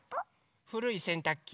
ふるいせんたくき？